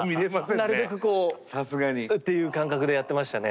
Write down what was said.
なるべくこうっていう感覚でやってましたね。